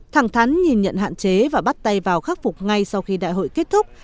thẳng thắn nhìn nhận hạn chế và bắt tay vào khắc phục ngay sau khi đại hội kết thúc